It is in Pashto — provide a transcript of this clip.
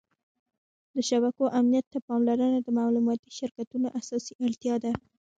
د شبکو امنیت ته پاملرنه د معلوماتي شرکتونو اساسي اړتیا ده.